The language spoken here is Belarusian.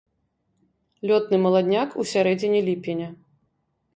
Лётны маладняк ў сярэдзіне ліпеня.